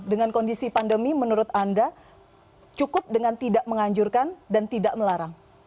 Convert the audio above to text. dengan kondisi pandemi menurut anda cukup dengan tidak menganjurkan dan tidak melarang